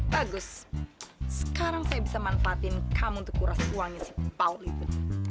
bagus sekarang saya bisa manfaatin kamu untuk kuras uangnya sepau itu